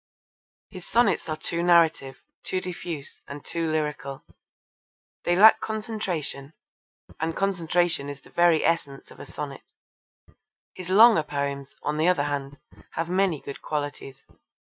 His sonnets are too narrative, too diffuse, and too lyrical. They lack concentration, and concentration is the very essence of a sonnet. His longer poems, on the other hand, have many good qualities.